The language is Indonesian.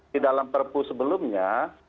di dalam perpu sebelumnya